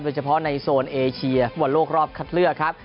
โดยเฉพาะในโซนเอเชียฟุตบอลโลกรอบคัดเลือกครับ